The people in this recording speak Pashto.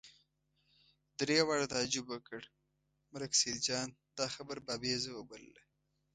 درې واړو تعجب وکړ، ملک سیدجان دا خبره بابېزه وبلله.